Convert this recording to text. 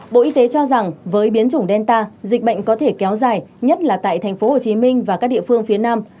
bộ y tế cho rằng với biến chủng delta dịch bệnh có thể kéo dài nhất là tại tp hcm và các địa phương phía nam